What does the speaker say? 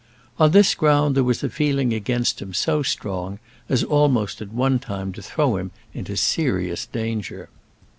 On this ground there was a feeling against him so strong as almost at one time to throw him into serious danger.